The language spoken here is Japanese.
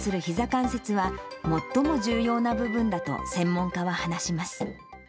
関節は、最も重要な部分だと専門家は話します。